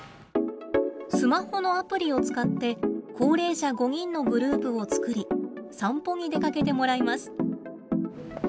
スマホのアプリを使って高齢者５人のグループを作り散歩に出かけてもらいます。